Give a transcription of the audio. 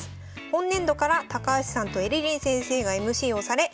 本年度から高橋さんとえりりん先生がＭＣをされ」。